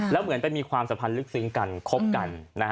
แล้วเหมือนไปมีความสัมพันธ์ลึกซึ้งกันคบกัน